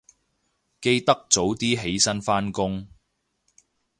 記得早啲起身返工